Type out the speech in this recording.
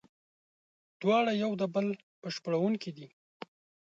دواړه یو د بل بشپړوونکي دي.